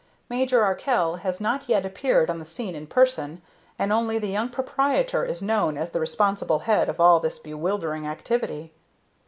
Major Arkell has not yet appeared on the scene in person, and only the young proprietor is known as the responsible head of all this bewildering activity.